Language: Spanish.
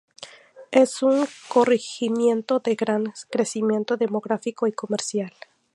Es un corregimiento de gran crecimiento demográfico y comercial.